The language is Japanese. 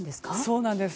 そうなんです。